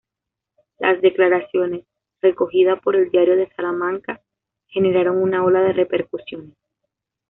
Las declaraciones, recogidas por El Diario de Salamanca, generaron una ola de repercusiones.